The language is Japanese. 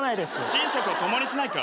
寝食を共にしないか？